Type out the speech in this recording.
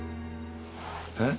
えっ？